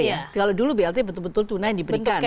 jadi betul betul tunai yang diberikan